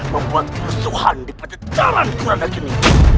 membuat kerusuhan di pencejaran kurandagini